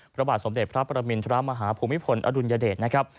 พระบาทสมเด็จพระประมินทรมาฮภูมิพลอดุลยเดชนะครับ